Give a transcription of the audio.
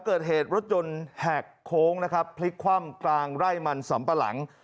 เกิดเหตุรถยนต์แหกโค้งนะครับพลิกคว่ำกลางไร่มันสำปะหลัง